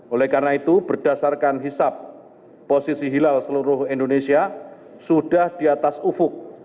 oleh karena itu berdasarkan hisap posisi hilal seluruh indonesia sudah di atas ufuk